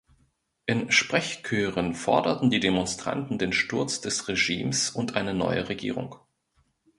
In Sprechchören forderten die Demonstranten den "Sturz des Regimes" und eine neue Regierung.